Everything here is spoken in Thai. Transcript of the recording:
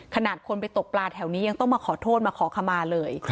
ขนาดคนไปตกปลาแถวนี้ยังต้องมาขอโทษมาขอขมาเลย